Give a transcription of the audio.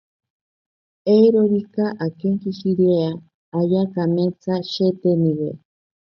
Eirorika akenkishirea ayaa kametsa sheeteniwe.